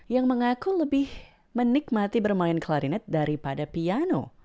yang mengaku lebih menikmati bermain klarinet daripada piano